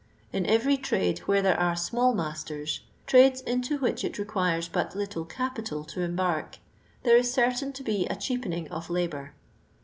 In every trade where there are smcUl masters, trades into which it requires but little capital to embark, there is cer tain to be a cheapening of labour.